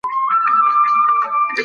خو پیسې د ژوند اړتیا ده.